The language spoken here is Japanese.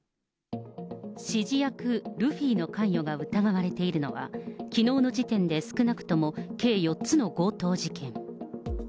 指示役、ルフィの関与が疑われているのは、きのうの時点で少なくとも計４つの強盗事件。